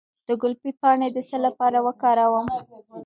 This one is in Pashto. د ګلپي پاڼې د څه لپاره وکاروم؟